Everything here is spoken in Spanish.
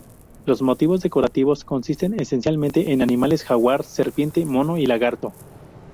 Los motivos decorativos consisten esencialmente en animales: jaguar, serpiente, mono y lagarto.